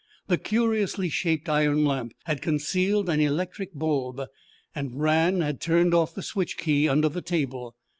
The curiously shaped iron lamp had concealed an electric bulb, and Rann had turned off the switch key under the table.